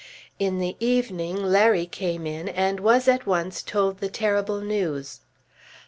In the evening Larry came in and was at once told the terrible news.